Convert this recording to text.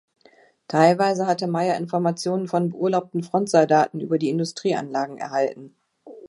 Teilweise hatte Maier Informationen von beurlaubten Frontsoldaten über die Industrieanlagen erhalten.